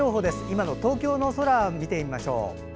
今の東京の空見てみましょう。